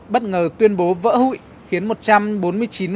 bất ngờ tuyên bố vỡ hụi khiến một trăm bốn mươi chín người